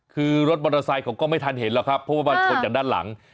คือรถมอเตอร์ไซค์เขาก็ไม่ทันเห็นหรอกครับเพราะว่ามันชนจากด้านหลัง